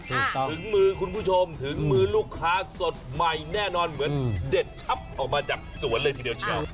ถึงมือคุณผู้ชมถึงมือลูกค้าสดใหม่แน่นอนเหมือนเด็ดชับออกมาจากสวนเลยทีเดียวเชียว